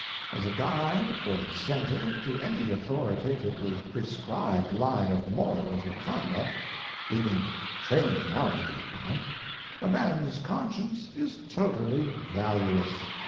As a guide or incentive to any authoritatively prescribed line of morals or conduct (leaving training out of the account), a man's conscience is totally valueless.